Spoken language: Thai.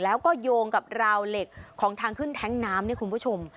แล้วก็โยงกับราวเหล็กของทางขึ้นแท้งน้ำเนี่ยคุณผู้ชม